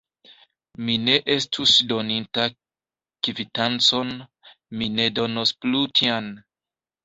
Mi ne estus doninta kvitancon: mi ne donos plu tian.